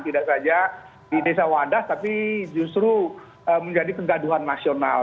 tidak saja di desa wadas tapi justru menjadi kegaduhan nasional